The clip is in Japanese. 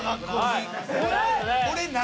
これ何？